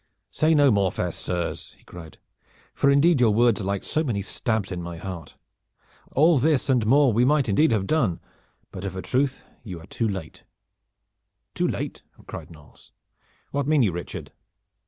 "Say no more, fair sirs," he cried; "for indeed your words are like so many stabs in my heart. All this and more we might indeed have done. But of a truth you are too late." "Too late?'" cried Knolles. "What mean you, Richard?"